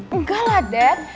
enggak lah dad